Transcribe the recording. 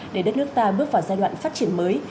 để đất nước ta bước vào giai đoạn phát triển mới